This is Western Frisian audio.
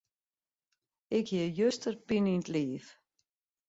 Ik hie juster pine yn 't liif.